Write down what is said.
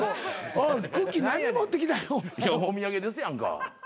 お土産ですやんか。